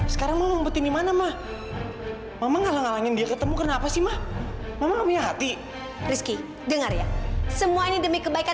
sampai jumpa di video selanjutnya